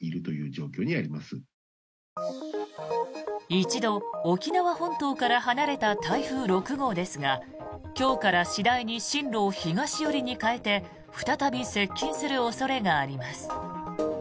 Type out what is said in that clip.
一度、沖縄本島から離れた台風６号ですが今日から次第に進路を東寄りに変えて再び接近する恐れがあります。